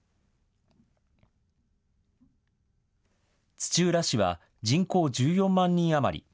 土浦市は人口１４万人余り。